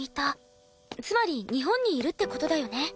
つまり日本にいるって事だよね。